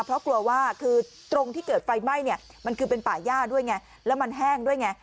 เพราะกลัวว่าคือตรงที่เกิดไฟไหม้เนี่ยมันคือเป็นป่าย่าด้วยไงแล้วมันแห้งด้วยไง